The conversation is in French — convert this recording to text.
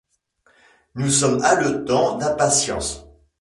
Nous sommes haletants d’impatience.